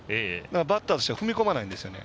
バッターとしては踏み込まないんですよね。